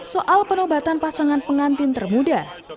soal penobatan pasangan pengantin termuda